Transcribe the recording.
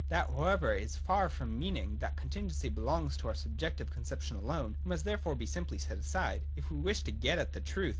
That how ever is far from meaning that the contingent belongs to our subjective conception alone, and must therefore be simply set aside, if we wish to get at the truth.